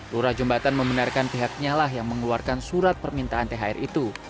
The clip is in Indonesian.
lurah jembatan membenarkan pihaknya lah yang mengeluarkan surat permintaan thr itu